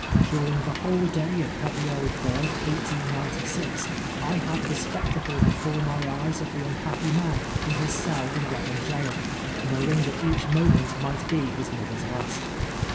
During the whole day of February 3rd, 1896, I had the spectacle before my eyes of the unhappy man in his cell in Reading Gaol, knowing that each moment might be his mother's last.